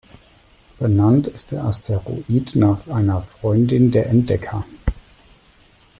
Benannt ist der Asteroid nach einer Freundin der Entdecker.